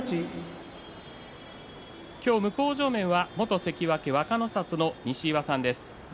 向正面は元関脇若の里の西岩さんです。